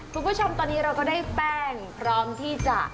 คุณผู้ชมตอนนี้เราก็ได้แป้งพร้อมที่จะ